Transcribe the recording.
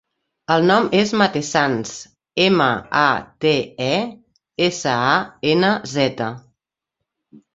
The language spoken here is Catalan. El cognom és Matesanz: ema, a, te, e, essa, a, ena, zeta.